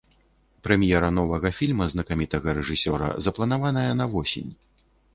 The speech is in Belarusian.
Прэм'ера новага фільма знакамітага рэжысёра запланаваная на восень.